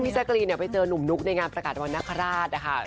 พี่ชัตรกรีนไปเจอนุ่มนุ๊กในงานประกาศรางวัลนักฮาราชนะคะ